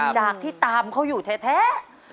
จากที่ตามเขาอยู่แท้